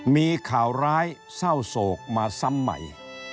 มีข่าวร้ายเศร้าโศกมาซ้ำใหม่